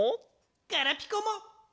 ガラピコも！